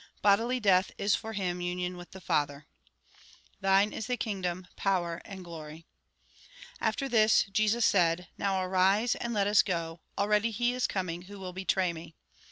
Bodily death is for him union with the Father ("ttbtne is tbe hlng&om, power, an& glorg") After this, Jesus said :" Now arise, and let us go ; already he is coming who will betray me."